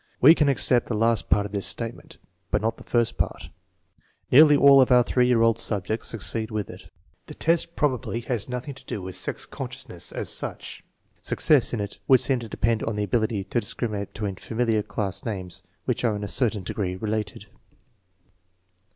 We can accept the last part of this statement, but not the first part. Nearly all of our 3 year old subjects succeed with it. The test probably has nothing to do with sex conscious ness, as such. Success in it would seem to depend on the ability to discriminate between familiar class names which are in a certain degree related.